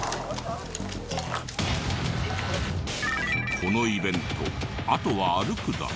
このイベントあとは歩くだけ？